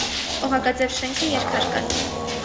Օղակաձև շենքը երկհարկանի է։